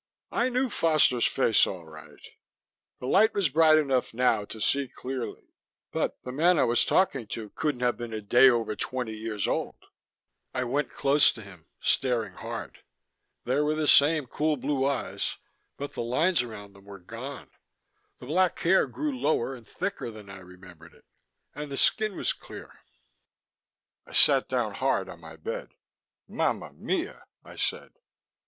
I knew Foster's face, all right; the light was bright enough now to see clearly; but the man I was talking to couldn't have been a day over twenty years old. I went close to him, staring hard. There were the same cool blue eyes, but the lines around them were gone. The black hair grew lower and thicker than I remembered it, and the skin was clear. I sat down hard on my bed. "Mama mia," I said.